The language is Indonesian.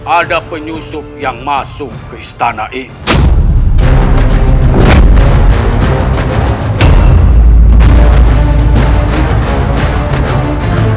ada penyusum yang masuk ke istana itu